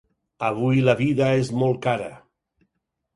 Avui la vida és molt cara.